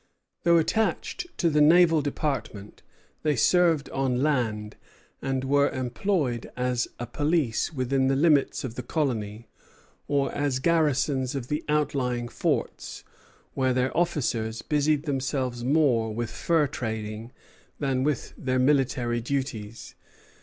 Though attached to the naval department, they served on land, and were employed as a police within the limits of the colony, or as garrisons of the outlying forts, where their officers busied themselves more with fur trading than with their military duties.